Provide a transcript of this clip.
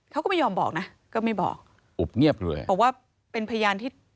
เขาก็ไม่ยอมบอกนะก็ไม่บอกอุบเงียบเลยบอกว่าเป็นพยานที่